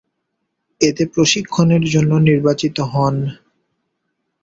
এতে প্রশিক্ষণের জন্য নির্বাচিত হন।